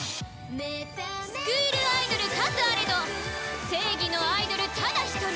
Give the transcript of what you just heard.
スクールアイドル数あれど正義のアイドルただ一人！